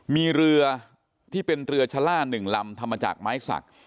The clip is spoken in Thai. มีเรือที่เป็นเรือชะล่า๑ลำทำมาจากไม้สัก